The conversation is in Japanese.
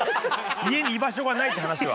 家に居場所がないって話は。